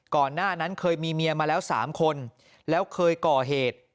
ก่อนหน้านั้นเคยมีเมียมาแล้ว๓คนแล้วเคยก่อเหตุ